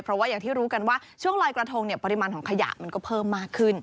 เพราะว่าอย่างที่รู้กันว่าช่วงลอยกระทงปริมาณของขยะมันก็เพิ่มมากขึ้น